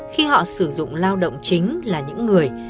khi họ sử dụng lao động chính là những người